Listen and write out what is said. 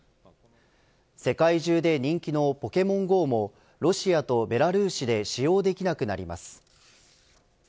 世界中で人気のポケモンＧＯもロシアとベラルーシで使用できなくなります。